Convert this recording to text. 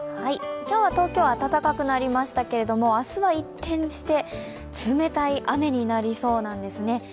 今日は東京暖かくなりましたけれども明日は一転して冷たい雨になりそうなんですね。